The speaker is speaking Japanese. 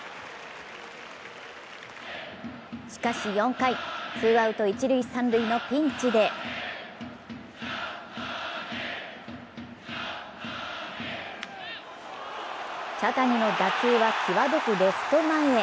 しかし４回、ツーアウト一・三塁のピンチで茶谷の打球はきわどくレフト前へ。